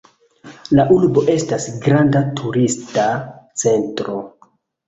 La urbo estas granda turista centro.